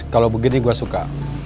kalau begini gua suka